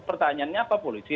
pertanyaannya apa polisi